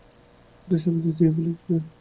ওদের সবাইকে খেয়ে ফেলেছে।